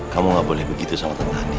kamu nggak boleh begitu sama tante andi